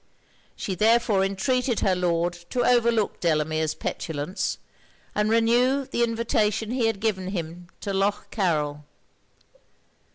She therefore entreated her Lord to overlook Delamere's petulance, and renew the invitation he had given him to Lough Carryl.